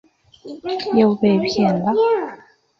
又被骗了